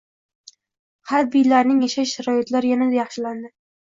Harbiylarning yashash sharoitlari yanada yaxshilandi